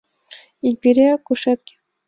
Ик вере — кушетке.